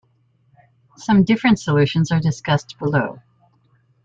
Some different solutions are discussed below.